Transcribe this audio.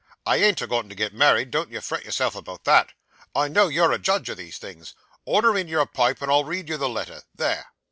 'I ain't a goin' to get married, don't you fret yourself about that; I know you're a judge of these things. Order in your pipe and I'll read you the letter. There!